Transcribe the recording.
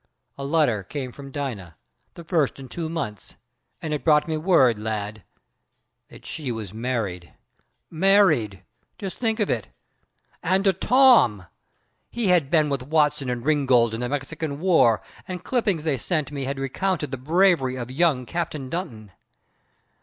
A letter came from Dina, the first in two months, and it brought me word, lad, that she was married! Married! Just think of it! And to Tom. He had been with Watson and Ringgold in the Mexican War, and clippings they sent me had recounted the bravery of young Captain Dunton.